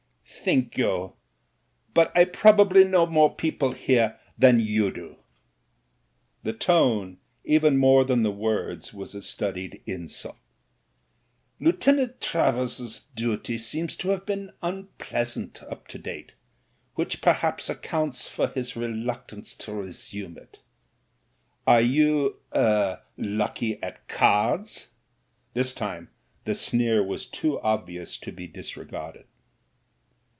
"Thank you, but I probably know more people here than you do." The tone even more than the words was a studied insult. "Lieutenant Travers's duty seems to have been unpleasant up to date, which per haps accounts for his reluctance to resume it Are you— er — Plucky at cards?" This time the sneer was too obvious to be disregarded.